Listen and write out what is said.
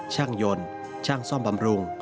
ช่างยนต์ช่างซ่อมบำรุง